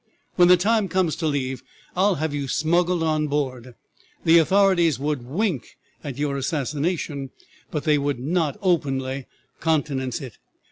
When the time comes to leave I will have you smuggled on board. The authorities would wink at your assassination, but they would not openly countenance it."